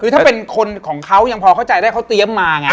คือถ้าเป็นคนของเขายังพอเข้าใจได้เขาเตรียมมาไง